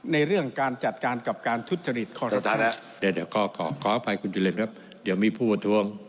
ในเรื่องการจัดการกับการทุจจริต